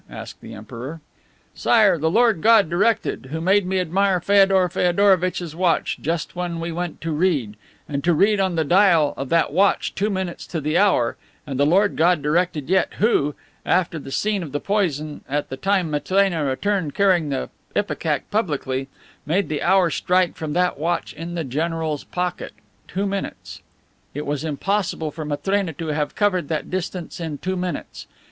asked the Emperor. "Sire, the Lord God directed, Who made me admire Feodor Feodorovitch's watch just when we went to read, and to read on the dial of that watch two minutes to the hour, and the Lord God directed yet, Who, after the scene of the poison, at the time Matrena returned carrying the ipecac publicly, made the hour strike from that watch in the general's pocket. "Two minutes. It was impossible for Matrena to have covered that distance in two minutes.